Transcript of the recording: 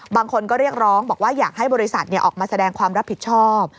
บางคนก็เรียกร้องบอกว่าอยากให้บริษัทออกมาแสดงความรับผิดชอบ